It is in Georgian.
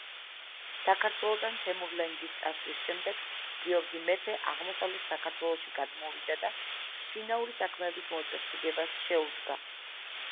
საქართველოდან თემურლენგის წასვლის შემდეგ გიორგი მეფე აღმოსავლეთ საქართველოში გადმოვიდა და შინაური საქმეების მოწესრიგებას შეუდგა.